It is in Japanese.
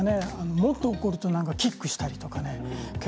もっと怒るとキックしたりとか。